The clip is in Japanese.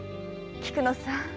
菊乃さん。